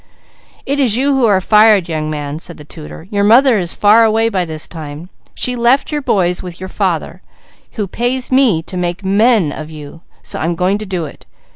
"It is you who are fired, young man," said the tutor. "Your mother is far away by this time. She left you boys with your father, who pays me to make men of you, so I'm going to do it.